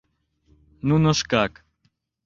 — Нуно шкак...